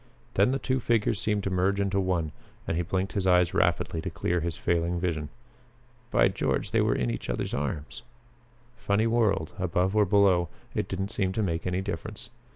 Then the two figures seemed to merge into one and he blinked his eyes rapidly to clear his failing vision. By George, they were in each other's arms! Funny world above or below it didn't seem to make any difference.